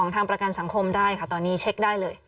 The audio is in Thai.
ทางประกันสังคมได้ค่ะตอนนี้เช็คได้เลย